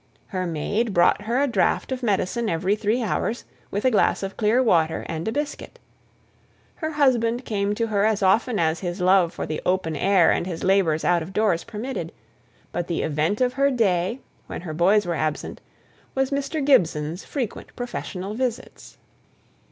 Her maid brought her a draught of medicine every three hours, with a glass of clear water and a biscuit; her husband came to her as often as his love for the open air and his labours out of doors permitted; but the event of her day, when her boys were absent, was Mr. Gibson's frequent professional visits.